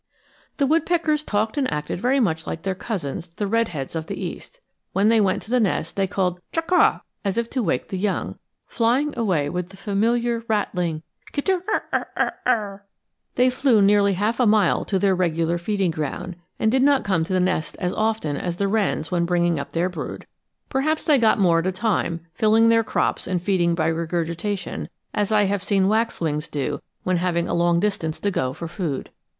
The woodpeckers talked and acted very much like their cousins, the red heads of the East. When they went to the nest they called chuck' ah as if to wake the young, flying away with the familiar rattling kit er'r'r'r'. They flew nearly half a mile to their regular feeding ground, and did not come to the nest as often as the wrens when bringing up their brood. Perhaps they got more at a time, filling their crops and feeding by regurgitation, as I have seen waxwings do when having a long distance to go for food.